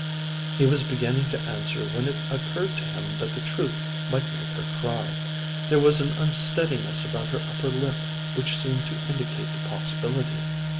He was beginning to answer when it occurred to him that the truth might make her cry. There was an unsteadiness about her upper lip which seemed to indicate the possibility.